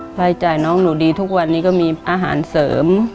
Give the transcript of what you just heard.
รายจ่ายน้องหนูดีทุกวันนี้ก็มีอาหารเสริม